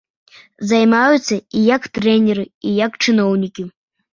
Займаюцца і як трэнеры, і як чыноўнікі.